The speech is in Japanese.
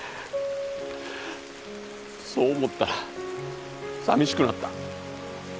そう思ったらさみしくなった。